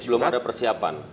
belum ada persiapan